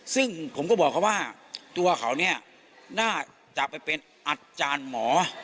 ซึ่งผมก็บอกเขาว่าตัวเขาเนี่ยน่าจะไปเป็นอาจารย์หมอ